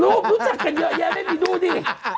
รูปรู้จักกันเยอะแยะไม่ได้ไปดูดิ